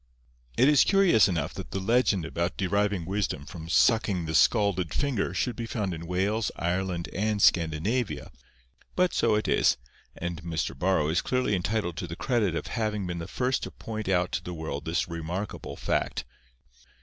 It is curious enough that the legend about deriving wisdom from sucking the scalded finger should be found in Wales, Ireland, and Scandinavia. But so it is, and Mr. Borrow is clearly entitled to the credit of having been the first to point out to the world this remarkable fact.